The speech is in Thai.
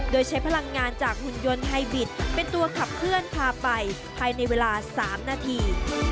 โดยใช้พลังงานจากหุ่นยนต์ไฮบิตเป็นตัวขับเคลื่อนพาไปภายในเวลา๓นาที